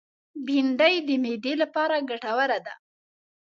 بېنډۍ د معدې لپاره ګټوره ده